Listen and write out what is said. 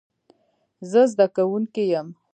زه زده کوونکی یم